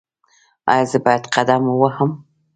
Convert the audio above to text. ایا زه باید قدم ووهم؟